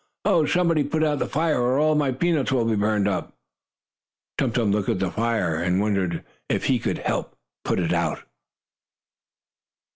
"Oh, somebody put out the fire, or all my peanuts will be burned up!" Tum Tum looked at the fire, and wondered if he could help put it out.